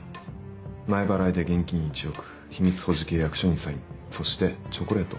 前払いで現金１億秘密保持契約書にサインそしてチョコレート。